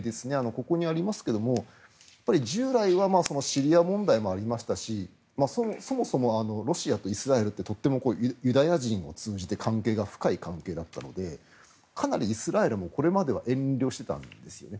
ここにありますが従来はシリア問題もありましたしそもそもロシアとイスラエルってとても、ユダヤ人を通じて関係が深い関係だったのでかなりイスラエルもこれまでは遠慮していたんですね。